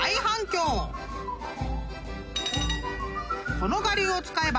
［この我流を使えば］